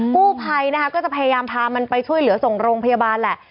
กู้ภัยนะคะก็จะพยายามพามันไปช่วยเหลือส่งโรงพยาบาลแหละ